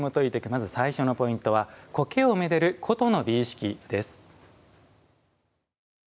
まず１つ目のポイントは苔をめでる古都の美意識です。